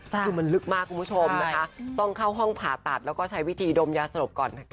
คือมันลึกมากคุณผู้ชมนะคะต้องเข้าห้องผ่าตัดแล้วก็ใช้วิธีดมยาสลบก่อน